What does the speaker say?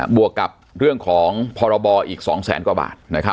วกกับเรื่องของพรบอีก๒แสนกว่าบาท